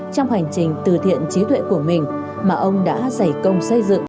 trong hành trình từ thiện trí tuệ của mình mà ông đã dày công xây dựng